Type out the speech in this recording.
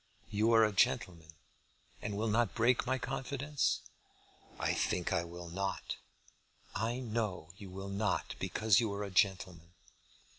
You are a gentleman, and will not break my confidence?" "I think I will not." "I know you will not, because you are a gentleman.